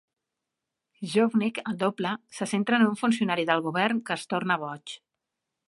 "Dvojnik" (El doble) se centra en un funcionari del govern que es torna boig.